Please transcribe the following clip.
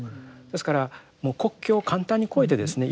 ですからもう国境を簡単に越えてですね